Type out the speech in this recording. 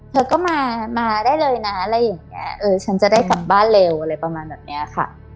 เธอก็มามาได้เลยนะอะไรอย่างเงี้ยเออฉันจะได้กลับบ้านเร็วอะไรประมาณแบบเนี้ยค่ะ